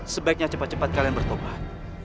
sebaiknya cepat cepat kalian bertobat